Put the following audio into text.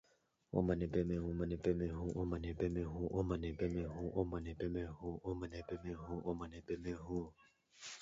His performance included a circus act with a contortionist and an Apollo program rocket.